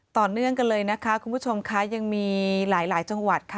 ต่อเนื่องกันเลยนะคะคุณผู้ชมค่ะยังมีหลายจังหวัดค่ะ